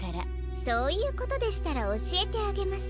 そういうことでしたらおしえてあげます。